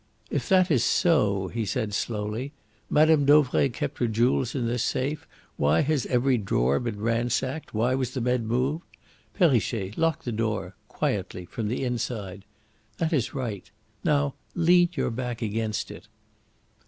"If that is so," he said slowly, "Mme. Dauvray kept her jewels in this safe, why has every drawer been ransacked, why was the bed moved? Perrichet, lock the door quietly from the inside. That is right. Now lean your back against it."